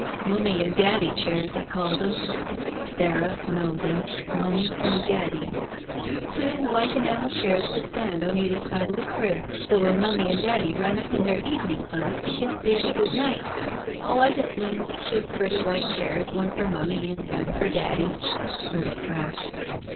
^' "Mummie and daddie chairs I call them." Sara (mouthing): "Mtmmiie and daddie —" "Two white enamel chairs to stand on either side <rf the crib so when mummie and daddie run up in their evening clothes to kiss baby good night — Oh, I just mean two pretty white chairs, one for mummie and one for daddie." Little crash.